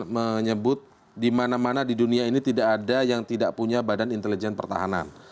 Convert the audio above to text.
menyebut di mana mana di dunia ini tidak ada yang tidak punya badan intelijen pertahanan